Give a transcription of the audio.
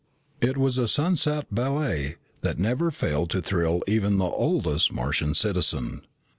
It was a sunset ballet that never failed to thrill even the oldest Martian citizen.